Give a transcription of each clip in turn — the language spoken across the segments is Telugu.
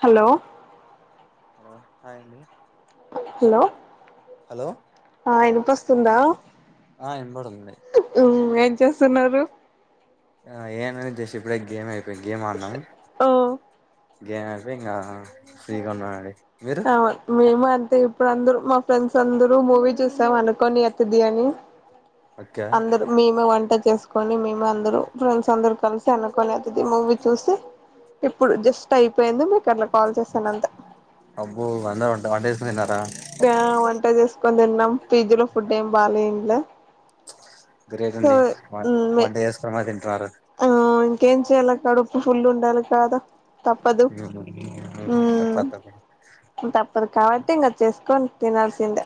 హలో హలో హాయ్ అండి హలో హలో ఆ ఇనిపిస్తుందా ఆ వినబడుతుంది మ్మ్ ఏం చేస్తున్నారు ఆ ఏన అ్యష ఇపుడుగ్ గ ఏంయతుతే ఇ గే మాన్నాం ఓ గేమ్ అయిపో ఇంకా ఫ్రీగా ఉన్నా అండి అ మేము అంత్ అయితే ఇప్పుడు అందరు మా ఫ్రెండ్స్ అందరు మూవీ చూసాం అనుకోని అతిది అని ఓకే అందరు మేమే వంట చేస్ కని మేము అందరూ ఫ్రెండ్స్ అందరు కలిసి అనుకొని అవుతుంది మూవీ చూస్తే ఇప్పుడు జస్ట్ అయిపోయింది మీకు అట్లా కాల్ చేసాను అంతే అబ్బో అందరూ దాటేస్ పోయినరా ఆ వంట చేసుకొని తిన్నాం పిజ్జ్ లో ఫుడ్ ఏం బాగాలేంలే గ్రేట్ అండి వన్ డే ఇయర్స్ క్రమా తింటున్నారు ఏం చేయాల కడపు ఫుల్లు ఉండాలి కాద తప్పదు తప్ప తప్ప మ్మ్ తప్పదు కాబట్టి ఇంగా చేసుకొని తినారుసింద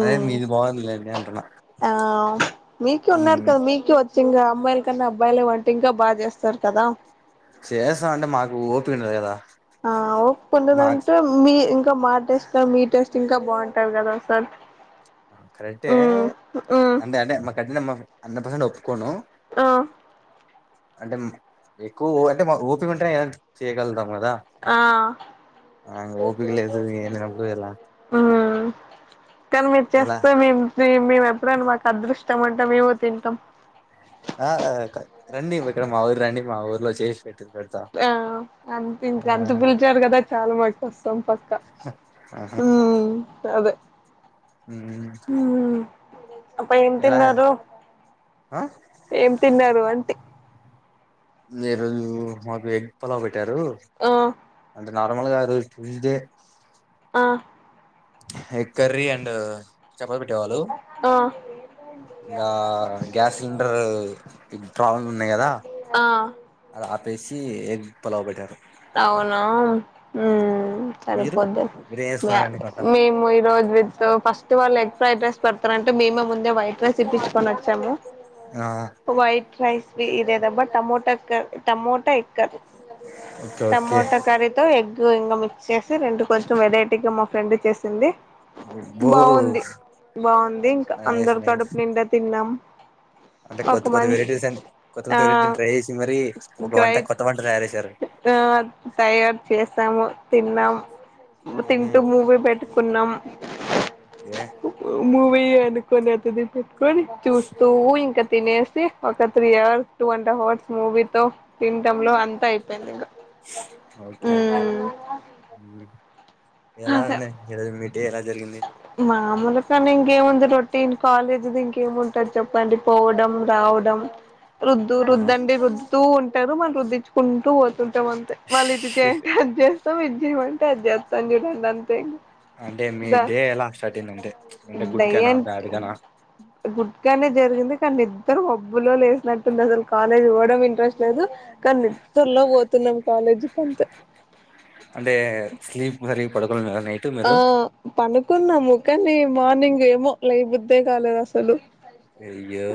అదే మీది బాగుందిలేండి అంటున్నా ఆ మీకు ఉన్నారు కదా మీకు వ ముఖ్యంగా అమ్మాయిల కన్నా అబ్బాయి వంట ఇంకా బాగా చేస్తారు కదా చేసాం అంటే మాకు ఓపక లేదా ఆ కొండదంటే మీ ఇంకా మా టేస్ కా మీ టేస్ట్ ఇంకా బాగుంటారు కదా అసలు కరెక్టే ఉమ్ అంటే మా కట్ట అన్న పర్సెంట్ కొను ఆ అంటే ఎక్కువ అంటే ఓపిక ఉంటేనే చేయగలరు ఆ ఓపిక లేదు ఏం లేనప్పుడు ఎలా మ్మ్ కనిమి ఎలా చేస్తా మేం [inaudible] ఎప్పుడని మాకు అదృష్ట ఇ మంటాం ఏవ త ఇంకామ్ ఆ రండి విక్ర మా ఊరు రండి మా ఊర్లో చేసి పెట్టి పెడతా ఆ అంతించ ఆ అంత పిలిచారు కదా చాలా మకు వస్తాం పక్కా ఆహా మ్మ్ అదే మ్మ్ అ ఏం ఎలా తిన్నారు ఆ ఏం తిన్నారు అంతే అ రోజు మీకు మాకు ఎగ్ పలావ్ పెట్ట పెట్టారు ఆ అందు నర్మల్ కాదు ట్యూస్డే ఆ ఎగ్ కర్రీ అండ్ చెప్పబెట్టేవాళ్ళు ఆ ఇంకా గ్యాస్ సిలిండర్ ప్రాబ్లమ్ ఉన్నాయి కదా ఆ అది ఆపేసి ఎగ్ పలావ్ పెట్టారు అవునా ఉమ్ మీరు సరిపోద్ద మీరేం చేసుకున్నారండి వంట మేము ఈ రోజు విత్ ఫస్ట్ వాళ్ళు ఎగ్ ఫ్రైడ్ రైస్ పెడతారంటే మేమే ముందే వైట్ రైస్ ఇప్పించుకొని వచ్చాము ఆ వయిట్ రైస్ ఇదేదబా టమోటా ఎక్ tomato egg curry okay okay tomato curry తో ఎగ్ ఇంకా మిక్స్ చేసి రెండు కొంచెం వెరైటీగా మా ఫ్రెండ్ చేసింది బో బాగుంది బాగుంది ఇంకా నైస్ అందరు నైస్ కడుపు నిండా తిన్నాం అంటే కొత్త ఒక కొత్త మంచి వెరైటీస్ అ కొత్త కొత్త వెరైటీ ఆ ట్రై చేసి మరి ఒక వంట గ్రైట్ కొత్త వంట తయారు చేశారు ఆ తయారు చేశాము తిన్నాము తింటు మ్మ్. మూవీ పెట్టు కున్నాం ఎ మూవీ అనుకున్నట్టు దిపు చూస్తూ ఇంకా తినేస్తే ఒక three hours two and half hours movie తో తింటంతో అంతా అయి పోయింది ఇంకా ఓకే ఓకే అమ్ అదే ఎలాన్న [unintelligible] తే ఎలా జరిగింది మామూలు కాని ఇంకేముంది రొటీన్ కాలేజీది ఇంకేముంటంది చెప్పండి పోవడం రావడం రుద్దు ఆహా రుద్ద్దండి రుద్దు తూ ఉండ టారు మనం రుద్దించుకుంటూ వచ్చ కుంటాం అంతే మళ్ళీ ఇది చేయంటిడి అది ఇది చెయిమంటే అది చేతా అని చెప్పాడు అంతే ఇకా అంటే మీ డే ఎలా స్టార్ట్ అయింది అంటే అంటే గుడ్ గానా బ్యాడ్ గానా గుడ్గానే జరిగింది. కానీ ఇద్దరు ఒబ్బులో లేసినట్టుంది అసలు కాలేజ్ పోవడం ఇంట్రెస్ట్ లేదు. కానీ నిద్రలో పోతున్నాం కాలేజీకి అంతే అంటే స్లీప్ సరిగా పడుకోలేదా నైట్ ఆ మీరు పడుకున్నాము కని ఈ మార్నింగ్ ఏమో లేల బుద్ధే కాలేదు అసలు అయ్యో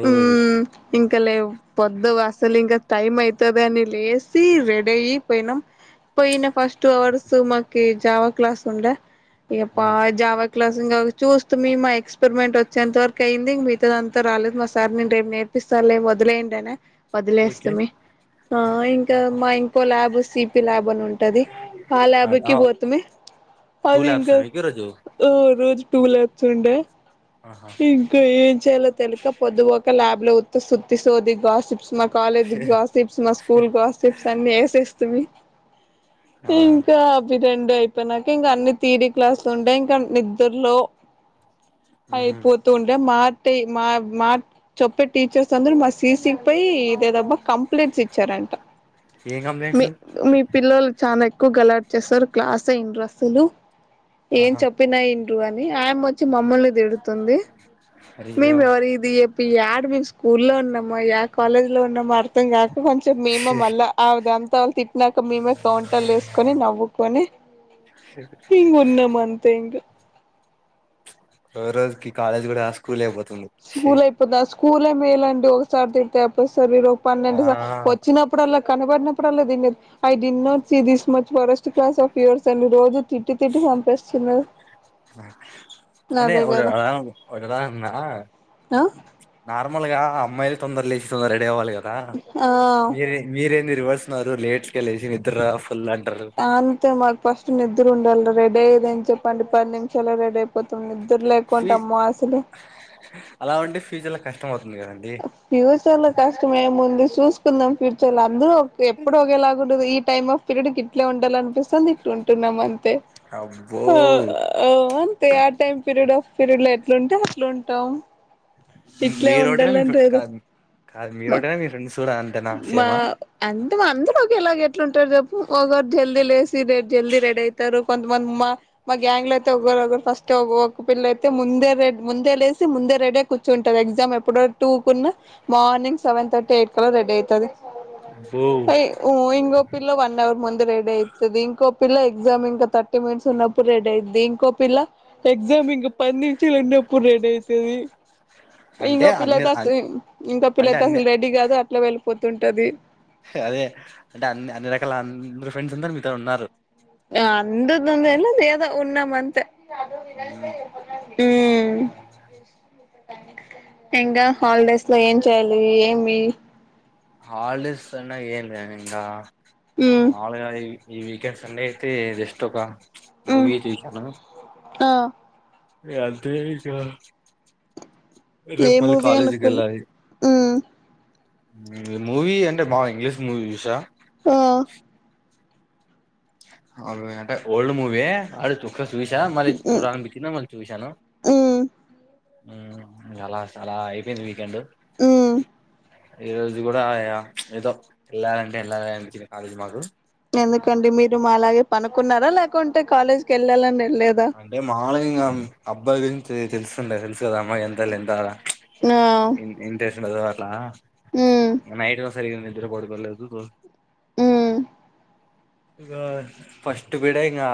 ఇంక లే పొద్దు అసలు ఇంకా టైం అయితదని లేసి రెడీ అయి పోయినాం. పోయిన ఫస్ట్ టూ అవర్స్ మాకి జావా క్లాస్ ఉండ్ ఇగ ప మ్మ్. జావక్ క్లాస్ ఇంగ చూస్త మీ మా ఎక్స్పెరిమెంట్ వచ్చేంత వరక్ క్ అయింది. మిగతాదంతా రాలేదు మా సార్ నేను నేర్పిస్తాలే వొలయండి అనే ఓకే వదిలేస్తమి. ఆ ఇంకా మా ఇంకో ల్యాబ్ సి. పి ల్యాబ్ అని ఉంటది. ఆ ల్యాబ్కి ఆహా. పోతుమి టూ అదింగ ల్యాబ్సా మీకు ఈరోజు ఉహ్ రోజు టూ ల్యాబ్స్ ఉండే ఆహా ఇంక ఏం చేయాలో తెలిక పొద్దుపోక ల్యాబ్ లో ఉత్త సుత్తి సోది గాస్ మా కాలేజ్ కాస్ప్స్, మా స్కూల్ కాస్ప్స్ అన్ని వేసేస్టిమి ఆ ఇంకా అబి రెండు అయిపోయినాక ఇంగా అన్ని టీడీ క్లాస్లు ఉంటాయి ఇంకా నిద్రలో మ్మ్. అయిపోతుంటే మట్ మా మా చెప్పే టీచర్స్ అందరుూ మా సీ. సీ పై ఇదేదబ్బా కంప్లీంట్స్ ఇచ్చారంట. ఏం మీ కంప్లైంట్స్ మీ పిల్లలు చాలా ఎక్కువ గలాడ్ చేేస్తారు క్లాస్ ఇంట్రస్లు ఏం ఆహా చెప్పినా ఇంన్ రు అని ఆయమ్మ వచ్చి మమల్ని తిడుత్ తుంది అయ్యో మేమివరి ఇది చెప్ ఇ డు మేము స్కూ లో ఉన్నామా య కాలేజ్ లో ఉన్నామో అర్ త్తం కాక కొంచెం మేమే మళ్ళా అ దాంతా వాళ్ళు తిట్టినాాక. మేమే కౌంటర్లు వేసుకొని నవ్వుకొని ఇంగా ఉన్నాము అంతే ఇంగా ఓ రోజుకి కాలేజ్ కూడా ఆ స్కూల్ ఎయిపో స్కూల్ అయిపోదా స్కూలే మేలండి ఒకసారి తిడ్తే ఒకసారే [unintelligible] ఆ పన్నెండు సార్ వచ్చినప్పుడు అలా కనబడినప్పుడల్ల లేదు దీన్ని నొంచి దీని this worst class of yours అని రోజు తిట్టి తిట్టి చంపేస్తున్నారు అంటే అదే కదా ఒగ దా ఉన్న హ నార్మల్ గా అమ్మాయిలు తొందర లేచి తొందరగా రెడీ అవ్వాలి కదా ఆ ఆ మీరే మీరేం నేర్పిస్తారు నరు లేట్ గా లేచి నిద్ర ఫుల్ అంటారు అంతే మాకు ఫస్ట్ నిద్ర ఉండాల రెడే అదని చెప్పండి అని పది నిమి అలా రెడీ అయిపోతున్న సర్లే ఫీ కొంటమ్మ అసలు పిజి లో కస్టమర్ ప్యూచర్ లో కష్టమేముం చూసుకుందాం ఫీచర్లో అందు ఎప్పుడు ఒకేలాగా ఉండదు ఈ టైమ్ ఆఫ్ పీరియడ్ క ఇట్లా ఉండాలనిపిస్తుంది ఇట్లా ఉంటున్నానండి అబ్బో ఆ అంతే ఆ టైమ్ పరియడ్ వస్ ఫిరిడ్లో ఎట్లుంటే అట్లుంటాం మీరు రోటి మీ క కాదు మా మీరోటా మీ ఫ్రెండ్స్ కూడా అంతేనా మా సేమా అం మేమంతా ఒకేలాగే ఎట్లుంటారు చెప్పు ఒకరు జల్దీ లేసి రె జల్దీ రెడీ అయితారు కొంతమంది మా మా గ్యాంగ్ లో అయితే ఒకరు ఒకరు ఫస్ట్ తీ ఒకోక పిల్ల అయితే ముందే ముందే లేసి ముందే రెడై కూర్చుంటాది. ఎగ్జామ్ ఎప్పుడో టూ కున్నా మార్నింగ్ సెవెన్ థర్టీ ఎయిట్ కల్ల రెడి అయితాది బో పైవ్ ఓ ఇంగప్ పిల్లవండర్ ముందే వే లేత్తది ఇంకో పిల్ల ఎగ్జామ్ ఇంకా థర్టీ మినిట్స్ ఉన్నప్పుడు రెడీ అయిద్ది ఇంకో పిల్ల ఎగ్జామ్ ఇంక పన్నించిరెన్నప్పుడు రెడీ అయితాది అంటే ఇంగో అన్ని పిల్లయితే అసలు ఇంకో అంటే పిల్లయితే అన్ని అసలు రెడీ కాదు. వెళ్ళిపోతుంటది అదే అంటే అన్ని అన్ని రకాల అందరు ఫ్రెండ్స్ అందరు మీతో ఉన్నారు అందద్ంద ఎది ఉన్నాం అంతే హ్మ్ ఆ ఇంకా హాలిడేస్ లో ఏం చేయాలి ఏమి హల్డీస్ అన్నాగా ఏందీ ఇంగ ఉమ్ మాములగాయి ఈ వీకెండ్ సండే అయితే జస్ట్ ఒక ఉమ్ మూవీ చూసినా ఆ ఇగ అంతే చూసిన ఏ మూవీ అనుకు వెళ్ళాలి ఉమ్ మూవీ అంటే బా ఇంగ్లీష్ మూవీ చూసా ఆ అ అంటే ఓల్డ్ మూవీ అడుతు చూసా మరి చూడాలి అనిపించింది మరీ చూయిసాను ఉమ్ ఉమ్ అలా అయిపోయింది వీకెండ్ ఉమ్ ఈ రోజు కూడా ఏదో వెళ్ళాలంటే వెళ్ళాలా అ కాలేజ మాకు ఎందుకండి మీరు మాలాగే పనుకున్నారా లేకుంటే కాలేజ్కి వెళ్ళాలనీ అంటే మామూలుగా ఇంగ అబ్బాయిలా గురించి తెలుసు తెల్సు కదమ్మా ఎంత ఎంతాల ఆ డదు అట్లా ఉమ్ నైట్ వ సరిగాంది ఇద్దరు పడుకోలేదు రోజు ఉమ్ ఇ ఫస్ట్ పీరియడ్ ఇకా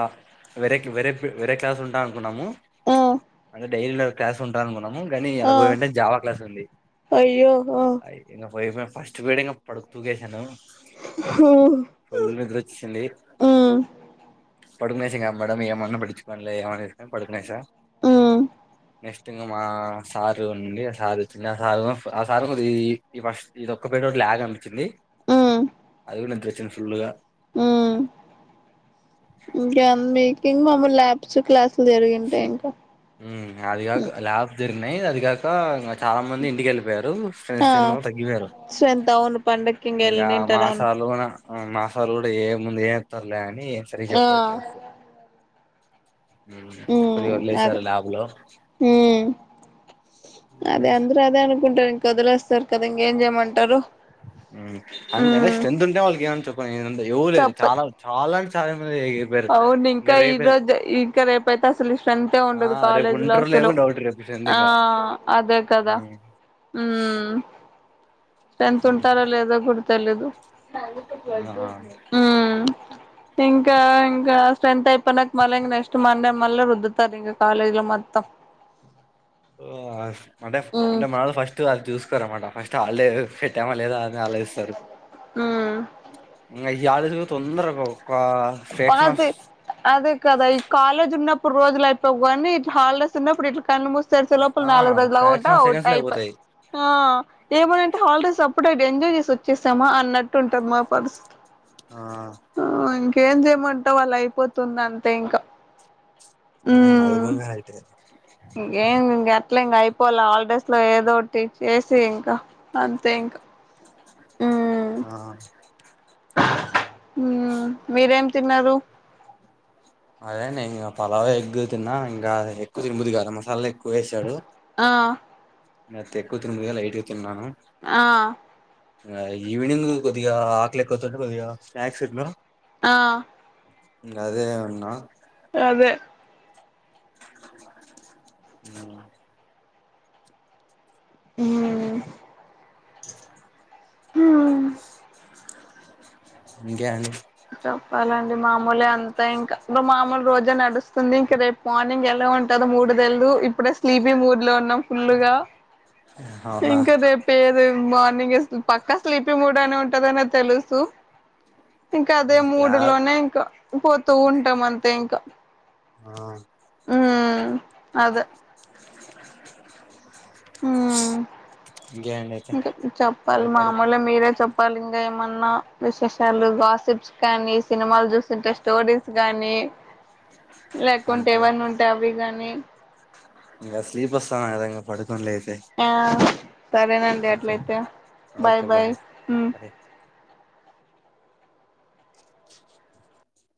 వెరకి వెర వేరే క్లాస్ ఉంటాం అనుకున్నాము ఆ అ డైలీ న క్లాస్ ఉంటాల మ కానీ ఆ ఎనబై గంట జావా క్లాస్ ఉంది అయ్యో ఆ అ పో ఫస్ట్ పోయినంక పడుకు తూగేశాను ఉమ్ ఫుల్ నిద్ర వచ్చింది ఉమ్ పడుకునే సంగ మేడం ఏమన్నా పట్టించుకోలే కలే ఏమని చెప్పని అని పడుకునేశా ఉమ్ అ మా సార్ ఉంది ఆ సార్ వచ్చింది ఆ సార్ ఆ సార్ది ఫస్ట్ ఇది ఒక్క పేట ఒక లాగ్ అనిపచ్చింది ఆ గా ఆ ఇంకేమీ కింగ్ అమ్మ లాబ్ చు క్లాస్ అదిగాక ల్యాబ్ ఉన్నాయి అది కాక చాలా మంది ఇంటికి వెళ్ళిపోయారు ఆ ఫ్రెండ్స్ చాలా మంది తగ్గిపోయారు స్ట్రెంత్ అవును పండక్కి ఇంగ ఇంకా ఎళ్ళింటారు అవును మాసాలు మసాల కూడా ఏం ఏతర్లే [unintelligible] అ సరి ఆ చెప్ప ఎట్లా గో ఉ అదే ల్యాబ్‌లో. ఉ అదే హ్మ్. అందరు అదే అనుకుంటారు కదిలేస్తారు కదా ఇంకేం చేయమంటారు అ అంటే ఉమ్ స్ట్రెంత్ ఉంటే వాళ్ళకి ఏమని చెప్ నేను అంతా ఇవ్వలేదు చెప్ప చాలా చాలా చా అవును ఇంకా ఈరోజు, ఇంకా రేపయితే అసలు స్ట్రెంతే ఆ! ఉండదు, రేపు కాలేజ్ లో ఉంటారో అసలు లేదో డౌట్ రేపు స్ట్రెంత్ ఆ ఇక. అదే కదా హ్మ్. ఉమ్. స్ట్రెంత్ ఉంటారో లేదో కూడ్ తెల్లదు ఆ! ఆ ఇంకా ఇంకా స్ట్రెంత్ అయిపోనక మళ్లంగా నెక్స్ట్ మండే మళ్ళ రుద్దుతారు ఇంగ కాలేజ్ లో మొత్తం ఓ ఆహ్ అంటే అంటే మనల ఫస్ట్ వాళ్ చూసుకు స్తరమాట ఫస్ట్ అల్లే తేమ లేదా అది ఆలోచిస్తారు ఉమ్ ఇ గ్యాసు తొందరగా అవ్ అది అది కదా ఈ కాలేజ్ ఉన్నప్ ఇప్పుడు రోజులు అయిపోయివు కాని, ఇట్లా హాలడస్ ఉన్నప్పుడు ఇట్లా కళ్ళుమూసి తెరిచే లోపల ఆ నాలుగు రోజులు ఫ్రాక్షన్ ఆఫ్ సెకండ్స్ అవుతాం లో అయిపోయి అయిపోతాయి ఆ ఏమంటే హాలిడేస్ అప్పుడు ఎంజాయ్ చేసి వచ్చేసామా అన్నట్టు ఉంటది మా పర్స్ ఆ ఇంక ఏం చేయమంటవ్ అలా అయిపోతుంది అంతే ఇంకా ఉమ్ ఆది కూడా రైటె వాళ హాలిడేస్ లో ఏదోటి చేసి ఇంకా అంతే ఇంకా ఉమ్ ఆ ఉమ్ మీరేం తిన్నారు అదేంలే ఇంకా పలావ ఎగ్గు తిన్నా ఇంకా ఎక్కువ తినబుద్ధి కాలా మసాలా ఎక్కువ వేసాడు ఆ నాకు ఎక్కువ తినబుద్ధి కాలా [unintelligible] తిన్నాను ఆ ఈవినింగ్ కొద్దిగా ఆకలే కొంటే కొద్దిగా స్నాక్స్ ఎట్లా ఆ ఇంగ్ అదే అ అదే అ మ్మ్ మ్మ్ ఇంకేం అండి పాలండి మామూలే అంతే ఇంకా మామూలు రోజే నడుత్ ఇంక రేపు మార్నింగ్ ఎలా ఉంటందో మూడుదల్దు ఇప్పుడే స్లీపీ మూడ్ లో ఉన్నాం ఫుల్గా అవునా ఇంకాదే పేరు మార్నింగ్ పక్కా స్లీపీ మూడ్ అని ఉంటదనేది తెలుసు ఇంకా అదే క్లాస్ మూడులోనే ఇంకా పోతూ ఉంటాం అంతే ఇంకా ఆ మ్మ్ అదే ఇంకే అండి అయితే మ్మ్ కా చెప్పాలి అదే పడు మామూలు మీరే చెప్ ప్పండి ఇంకా ఏమన్నా విశేషాలు గాసిప్స్ కాగానీ సినిమాలు చూసంటే స్టోరీస్ గాని లేకుంటే అంతే ఎవన్న ఉంటే అవి గానీ ఇంగ స్లీప్ వస్తుందగదా ఇంగ పడుకో ఆ సరేనండి ఓకే అట్లయితే బాయ్ బాయ్ మ్మ్